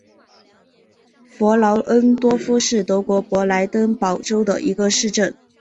弗劳恩多夫是德国勃兰登堡州的一个市镇。